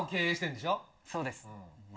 そうです。